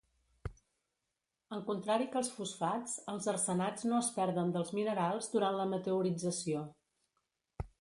Al contrari que els fosfats, els arsenats no es perden dels minerals durant la meteorització.